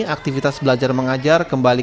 aktivitas belajar mengajar kembali